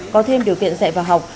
có thêm điều kiện dạy vào học